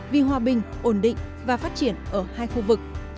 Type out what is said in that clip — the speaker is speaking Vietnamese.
vì hòa bình ổn định và phát triển ở hai khu vực